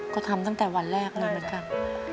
ก็ทำตั้งแต่วันแรกเลยเหมือนกัน